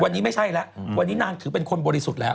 วันนี้ไม่ใช่แล้ววันนี้นางถือเป็นคนบริสุทธิ์แล้ว